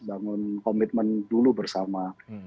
bangun komitmen dulu bersama